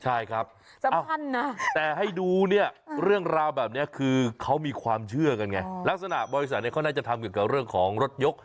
ใช่ครับแต่ให้ดูเนี่ยเรื่องราวแบบนี้คือเค้ามีความเชื่อกันไงลักษณะบริษัทนี่เค้าน่าจะทำเกี่ยวของรถยก